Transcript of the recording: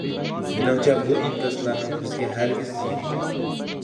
مېنىڭچە بۇ ئىنكاسلارنىڭ بىزگە ھەرگىز زىيىنى يوق.